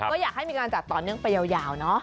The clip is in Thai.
ก็อยากให้มีการจัดต่อเนื่องไปยาวเนอะ